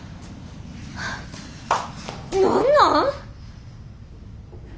何なん！